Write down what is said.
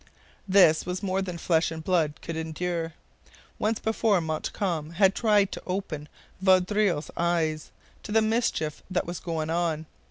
This was more than flesh and blood could endure. Once before Montcalm had tried to open Vaudreuil's eyes to the mischief that was going on.